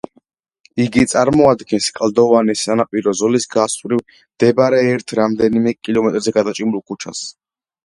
იგი წარმოადგენს კლდოვანი სანაპირო ზოლის გასწვრივ მდებარე ერთ რამდენიმე კილომეტრზე გადაჭიმულ ქუჩას.